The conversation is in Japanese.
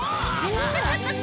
ハハハハ。